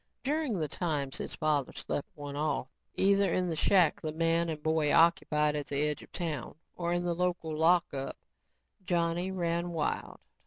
During the times his father slept one off, either in the shack the man and boy occupied at the edge of town, or in the local lockup, Johnny ran wild.